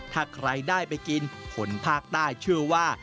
ถ้าใครได้ไปกินคนภาคใต้ชื่อว่า